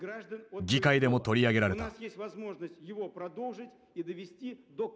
議会でも取り上げられた。